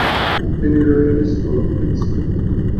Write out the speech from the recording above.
তিনি Royal School of মাইনসে ভর্তি হন।